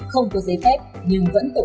không có giấy phép